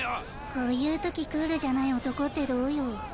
こういうときクールじゃない男ってどうよ？